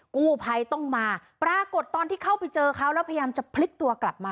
กู้ภัยต้องมาปรากฏตอนที่เข้าไปเจอเขาแล้วพยายามจะพลิกตัวกลับมา